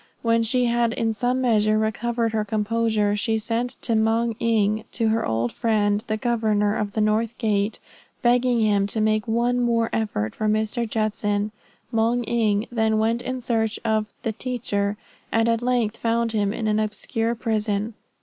When she had in some measure recovered her composure, she sent Moung Ing to her old friend, the governor of the north gate, begging him to make one more effort for Mr. Judson. Moung Ing then went in search of 'the teacher,' and at length found him in an obscure prison.